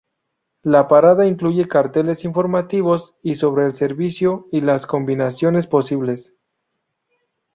La parada incluye carteles informativos sobre el servicio y la combinaciones posibles.